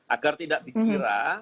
agar tidak dikira